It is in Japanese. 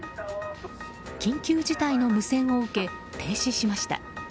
緊急事態の無線を受け停止しました。